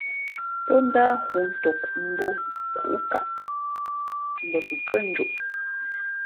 Pó ndáh hǔ tok mbō khǔkǔʼkaʼ mbα kʉkhʉ́ά njoʼ.